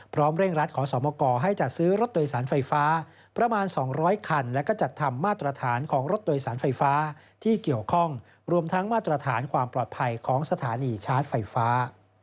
เร่งรัดขอสมกให้จัดซื้อรถโดยสารไฟฟ้าประมาณ๒๐๐คันและก็จัดทำมาตรฐานของรถโดยสารไฟฟ้าที่เกี่ยวข้องรวมทั้งมาตรฐานความปลอดภัยของสถานีชาร์จไฟฟ้า